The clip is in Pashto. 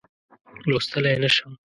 لوستلای نه شم.